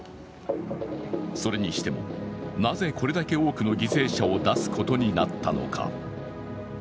それにしても、なぜこれだけ多くの犠牲者を出すことになったのか。